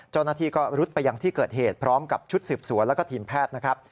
จรณาทีก็รุดไปอย่างที่เกิดเหตุพร้อมกับชุดสืบสวนและทีมแพทย์